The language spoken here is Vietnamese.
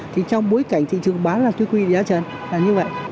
thì trong bối cảnh thị trường bán là tôi quy định giá chân là như vậy